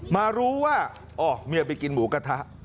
มารู้ว่าอ๋อเมียไปกินหมูกระทะ